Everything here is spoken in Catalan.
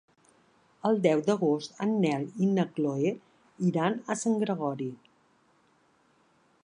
El deu d'agost en Nel i na Chloé iran a Sant Gregori.